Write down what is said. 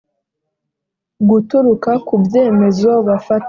Guturuka ku byemezo bafata